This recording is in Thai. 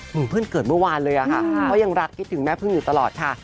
เหมือนเพิ่งเกิดเมื่อวานเลยอะค่ะก็ยังรักคิดถึงแม่พึ่งอยู่ตลอดค่ะ